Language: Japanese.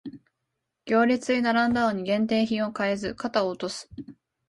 行列に並んだのに限定品を買えず肩を落とす